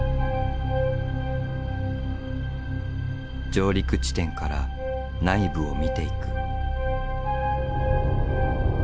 上陸地点から内部を見ていく。